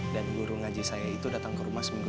dan guru ngaji saya itu datang ke rumah seminggu